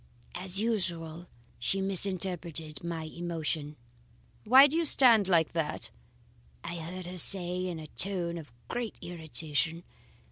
As usual she misinterpreted my emotion. "'Why do you stand like that?' I heard her say in a tone of great irritation.